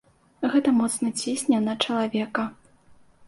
Гэта моцна цісне на чалавека.